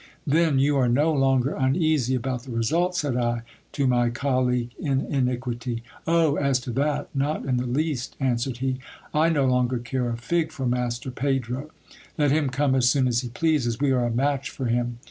Then you are no longer uneasy about the result, said I to my colleague in iniquity. Oh ! as to that, not in the least, answered he. I no longer care a fig for Master Pedro ; let him come as soon as he pleases, we are a match for him.